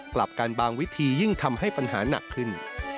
กลับกันบางวิธียิ่งทำให้ปัญหาหนักขึ้น